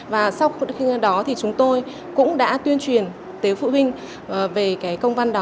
và sau khi đó thì chúng tôi cũng đã tuyên truyền tới phụ huynh